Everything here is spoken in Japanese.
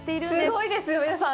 すごいですよ、皆さん。